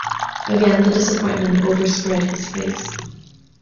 Again the disappointment overspread his face.